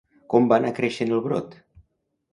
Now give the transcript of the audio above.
Com va anar creixent el brot?